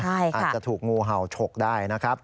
อาจจะถูกงูเห่าฉกได้นะครับ